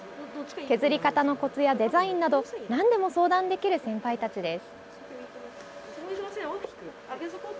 削り方のコツやデザインなどなんでも相談できる先輩たちです。